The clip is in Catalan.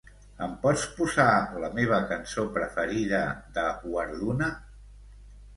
Ens pots posar la meva cançó preferida de Warduna?